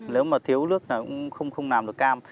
nếu mà thiếu nước là cũng không làm được cam